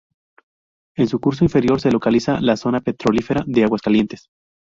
En su curso inferior se localiza la zona petrolífera de Aguas Calientes.